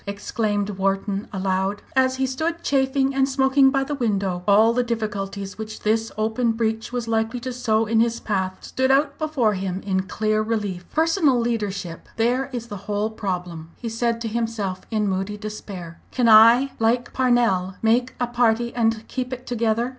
exclaimed Wharton aloud, as he stood chafing and smoking by the window. All the difficulties which this open breach was likely to sow in his path stood out before him in clear relief. "Personal leadership, there is the whole problem," he said to himself in moody despair. "Can I like Parnell make a party and keep it together?